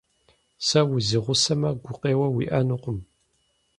Сэ узигъусэмэ, гукъеуэ уиӏэнукъым.